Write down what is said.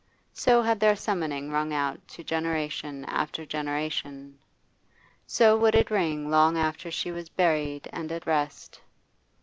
So had their summoning rung out to generation after generation; so would it ring long after she was buried and at rest.